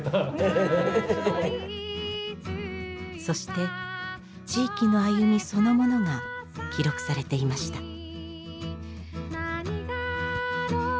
そして地域の歩みそのものが記録されていました。